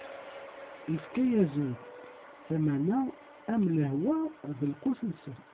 Ifka-asen-d tamana am lehwa, d lqut-nsen.